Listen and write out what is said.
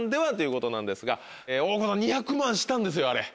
大久保さん２００万円したんですよあれ。